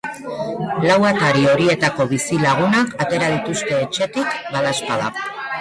Lau atari horietako bizilagunak atera dituzte etxetik, badaezpada.